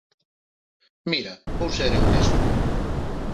Mira, vou ser eu mesmo.